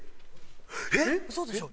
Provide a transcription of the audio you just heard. えっ嘘でしょ？